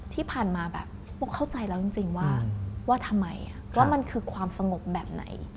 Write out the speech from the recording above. ที่ผ่านมาแบบพวกเข้าใจแล้วจริงว่าทำไมว่ามันคือความสงบแบบไหน